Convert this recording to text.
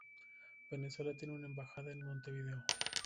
Venezuela tiene una embajada en Montevideo.